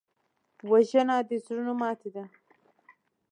وژنه د زړونو ماتې ده